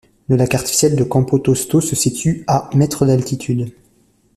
Le lac artificiel de Campotosto se situe à mètres d'altitude.